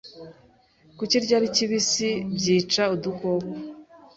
Kukirya ari kibisi byica udukoko